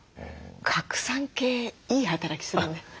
核酸系いい働きするね。